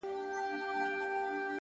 • ستا دي غاړه وي په ټوله قام کي لکه,